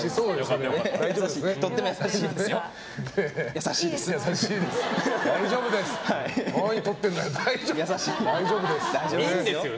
優しいですよ。